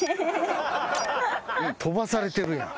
飛ばされてるやん。